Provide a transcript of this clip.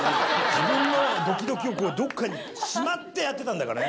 自分のどきどきをどっかにしまって、やってたんだからね。